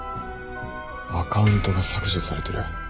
アカウントが削除されてる。